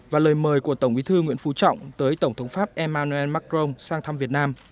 và lời mời của tổng bí thư nguyễn phú trọng tới tổng thống pháp emmanuel macron sang thăm việt nam